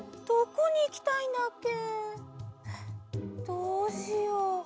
どうしよう。